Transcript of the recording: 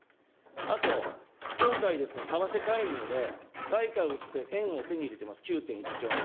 あと、今回ですね、為替介入で外貨を売って円を手に入れてます、９．１兆円。